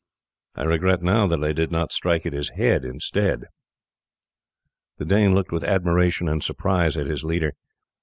I regret now that I did not strike at his head instead." The Dane looked with admiration and surprise at his leader.